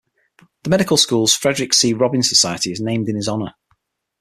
The medical school's "Frederick C. Robbins Society" is named in his honor.